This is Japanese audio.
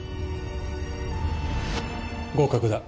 合格だ。